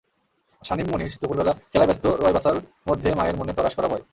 শানীন মণি দুপুরবেলা খেলায় ব্যস্ত রয়বাসার মধ্যে মায়ের মনে তড়াস করা ভয়।